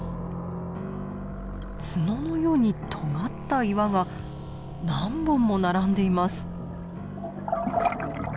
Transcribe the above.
角のようにとがった岩が何本も並んでいます。